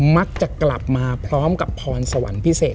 มักจะกลับมาพร้อมกับพรสวรรค์พิเศษ